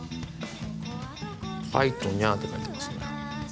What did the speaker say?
「ＦＩＧＨＴニャー」って書いてますね。